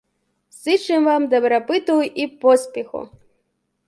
Зычым вам дабрабыту і поспеху!